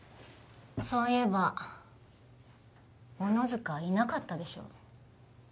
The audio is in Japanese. そういえば小野塚いなかったでしょ？